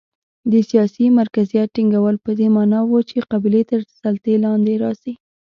د سیاسي مرکزیت ټینګول په دې معنا و چې قبیلې تر سلطې لاندې راځي.